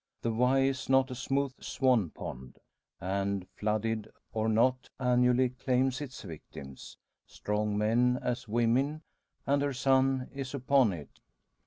The Wye is not a smooth swan pond, and, flooded or not, annually claims its victims strong men as women. And her son is upon it!